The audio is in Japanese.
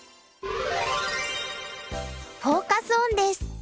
フォーカス・オンです。